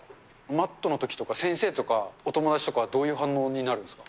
マットのときとか、先生とか、お友達とかはどういう反応になるんですか。